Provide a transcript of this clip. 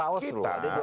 maksudnya artinya begini